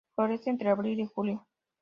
Florece entre abril y julio.